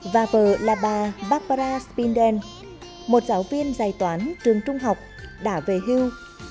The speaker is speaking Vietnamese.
và vợ là bà barbara spindel một giáo viên giải toán trường trung học đã về hưu